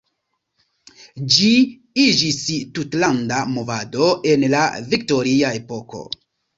Ĝi iĝis tutlanda movado en la Viktoria epoko.